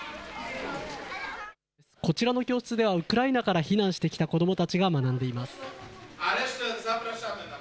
こちらの教室ではウクライナから避難してきた子どもたちが学んでいます。